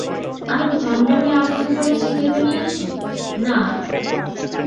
আমি ভণ্ডামি আরম্ভ করেছি ভেবে নিয়েছ, না?